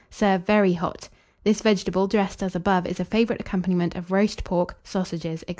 Serve very hot. This vegetable, dressed as above, is a favourite accompaniment of roast pork, sausages, &c.